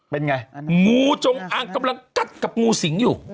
เป็นไงงูจงอางกำลังกัดกับงูสิงอยู่